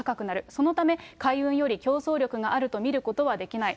そのため、海運より競争力があると見ることはできない。